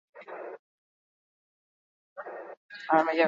Orotara hamar egileen ekarpenak biltzen ditu.